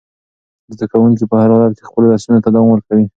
زده کوونکي په هر حالت کې خپلو درسونو ته دوام ورکوي.